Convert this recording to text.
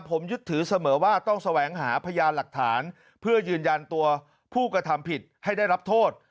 ผมยึดถือเสมอว่าต้องแสวงหาพยานหลักฐานเพื่อยืนยันตัวผู้กระทำผิดให้ได้รับโทษ